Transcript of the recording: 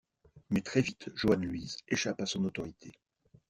Mais très vite, Johanne Luise échappe à son autorité.